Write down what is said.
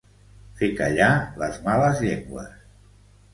Fer callar les males llengües.